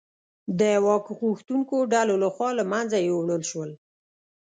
د واک غوښتونکو ډلو لخوا له منځه یووړل شول.